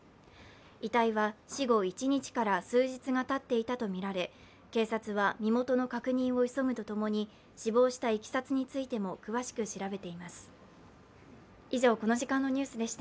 遺体は死後１日から数日がたっていたとみられ警察は身元の確認を急ぐとともに、死亡したいきさつについても詳しく調べています。